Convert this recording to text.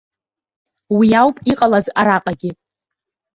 Уи ауп иҟалаз араҟагьы.